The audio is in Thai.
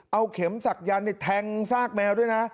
เอาเข็มศักยันต์แทงซากแมวด้วยนะ